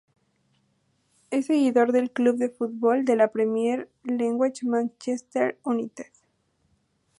Es seguidor del club de fútbol de la Premier League Manchester United.